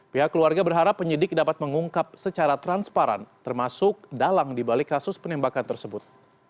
pihak keluarga berharap penyidik dapat mengungkap secara transparan termasuk dalang dibalik kasus penembakan tersebut